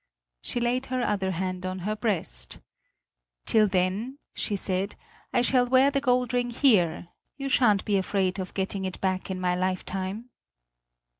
She laid her other hand on her breast; "Till then," she said, "I shall wear the gold ring here; you shan't be afraid of getting it back in my lifetime!"